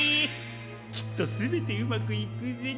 きっとすべてうまくいくぜ！